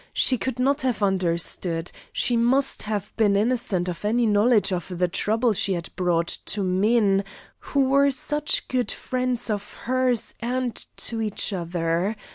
She could not have understood; she must have been innocent of any knowledge of the trouble she had brought to men who were such good friends of hers and to each other.